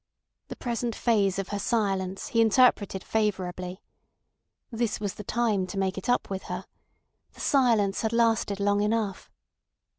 The present phase of her silence he interpreted favourably. This was the time to make it up with her. The silence had lasted long enough.